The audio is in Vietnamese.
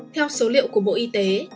theo số liệu của bộ y tế